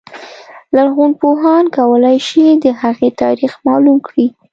لرغونپوهان کولای شي د هغې تاریخ معلوم کړي.